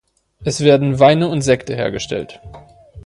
Es werden Weine und Sekte hergestellt.